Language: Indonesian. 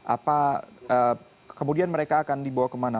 apa kemudian mereka akan dibawa kemana